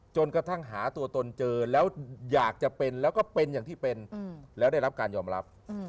จนกระทั่งหาตัวตนเจอแล้วอยากจะเป็นแล้วก็เป็นอย่างที่เป็นแล้วได้รับการยอมรับ